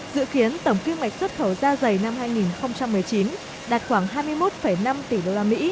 dự kiến tổng kinh mạch xuất khẩu da dày năm hai nghìn một mươi chín đạt khoảng hai mươi một năm tỷ usd